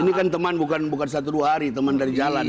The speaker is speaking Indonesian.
ini kan teman bukan satu dua hari teman dari jalan